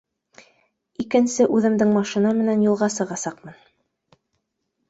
Икенсе үҙемдең машина менән юлға сығасаҡмын